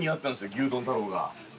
牛丼太郎が。